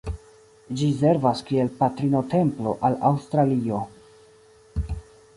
Ĝi servas kiel "Patrino-Templo" al Aŭstralio.